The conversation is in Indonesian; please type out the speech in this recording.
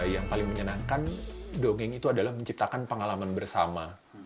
yang paling menyenangkan dongeng itu adalah menciptakan pengalaman bersama